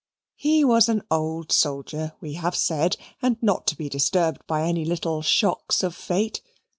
He was an old soldier, we have said, and not to be disturbed by any little shocks of fate.